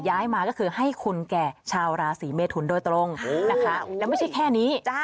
ย้ายมาก็คือให้คุณแก่ชาวราศีเมทุนโดยตรงนะคะแล้วไม่ใช่แค่นี้